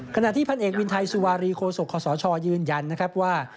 ขณะที่พันเอกวินไทยสุวารีโคสุกคศชยืนยันว่า